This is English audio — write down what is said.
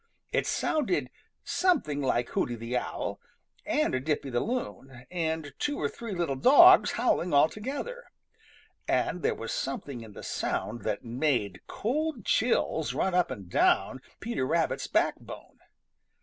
It sounded something like Hooty the Owl, and Dippy the Loon, and two or three little dogs howling all together, and there was something in the sound that made cold chills run up and down Peter Rabbit's backbone.